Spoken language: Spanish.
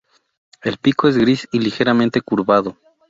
El pico es gris y ligeramente curvado.